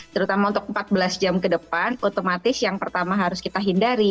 terutama untuk empat belas jam ke depan otomatis yang pertama harus kita hindari